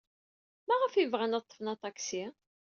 Maɣef ay bɣan ad ḍḍfen aṭaksi?